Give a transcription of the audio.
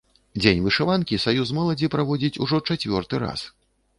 Дзень вышыванкі саюз моладзі праводзіць ужо чацвёрты раз.